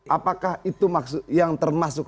apakah itu yang termasuk